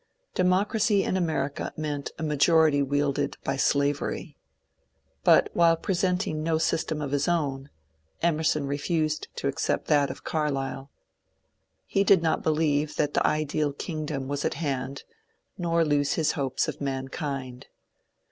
Demo cracy in America meant a majority wielded by slavery. But while presenting no system of his own Emerson refused to accept that of Carlyle ; he did not believe that the ideal king dom was at hand nor lose his hopes of mankind.